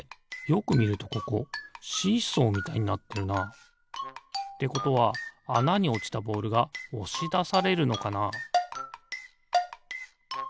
よくみるとここシーソーみたいになってるな。ってことはあなにおちたボールがおしだされるのかな？